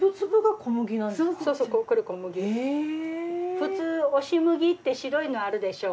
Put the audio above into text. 普通押し麦って白いのあるでしょ。